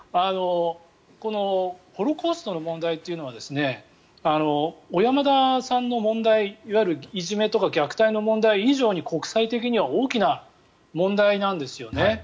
このホロコーストの問題というのは小山田さんの問題、いわゆるいじめとか虐待の問題以上に国際的には大きな問題なんですよね。